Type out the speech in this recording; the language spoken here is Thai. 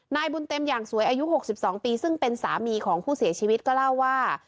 นายบุญเต็มอย่างสวยอายุ๖๒ปีซึ่งเป็นสามีของผู้เสียชีวิตก็เล่าว่า